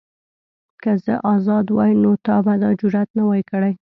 که زه ازاد وای نو تا به دا جرئت نه وای کړی.